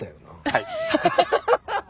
はい。